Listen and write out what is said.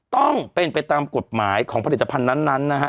ต้องเป็นไปตามกฎหมายของผลิตภัณฑ์นั้นนะฮะ